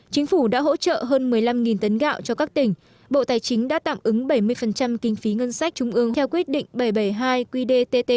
chính phủ đã hỗ trợ hơn một mươi năm tấn gạo cho các tỉnh bộ tài chính đã tạm ứng bảy mươi kinh phí ngân sách trung ương theo quyết định bảy trăm bảy mươi hai qdtt